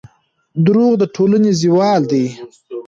دروغ د ټولنې زوال دی.